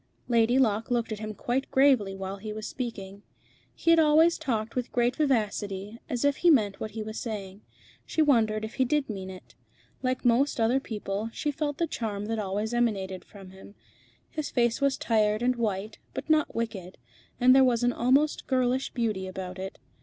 Lady Locke looked at him quite gravely while he was speaking. He always talked with great vivacity, and as if he meant what he was saying. She wondered if he did mean it. Like most other people, she felt the charm that always emanated from him. His face was tired and white, but not wicked, and there was an almost girlish beauty about it.